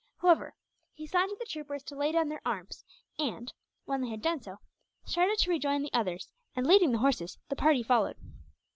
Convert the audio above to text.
However, he signed to the troopers to lay down their arms and, when they had done so, started to rejoin the others; and, leading the horses, the party followed.